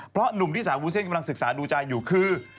เพราะหนุ่มที่สาววุ้นเส้นกำลังศึกษาดูใจอยู่คือ